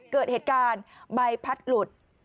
เกิดเหตุการณ์ใบพัดหลุด